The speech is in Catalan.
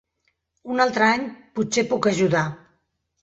Un altre any, potser puc ajudar.